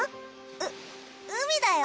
ううみだよ。